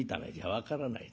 分からない